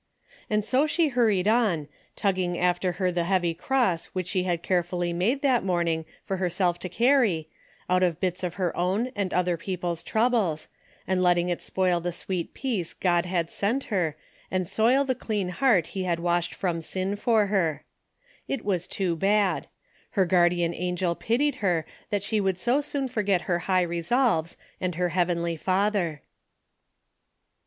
And so she hurried on, tugging after her the heavy cross which she had carefully made that morning for herself to carry, out of bits of her own and other people's troubles, and letting it spoil the sweet peace God had sent her, and soil the clean heart he had washed from sin for her. It was too bad. Her guardian angel pitied her that she could so soon forget her high re soHes, and her heavenly Father.